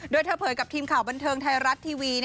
โดยเธอเผยกับทีมข่าวบันเทิงไทยรัฐทีวี